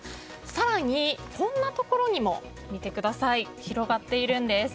更にこんなところにも広がっているんです。